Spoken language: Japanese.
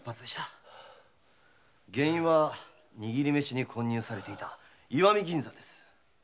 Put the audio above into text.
原因は握り飯に混入されていた石見銀山です。